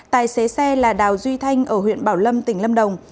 tài xế xe là đào duy thanh ở huyện bảo lâm tỉnh lâm đồng